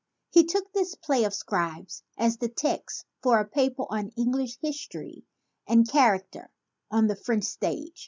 He took this play of Scribe's as the text for a paper on 'English His tory and Character on the French Stage.'